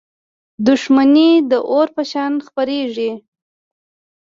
• دښمني د اور په شان خپرېږي.